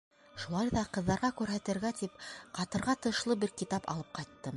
Шулай ҙа ҡыҙҙарға күрһәтергә тип, ҡатырға тышлы бер китап алып ҡайттым.